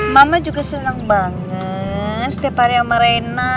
mama juga senang banget setiap hari sama reina